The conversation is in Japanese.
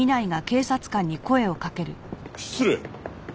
失礼。